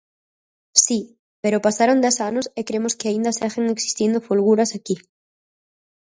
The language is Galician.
Si, pero pasaron dez anos e cremos que aínda seguen existindo folguras aquí.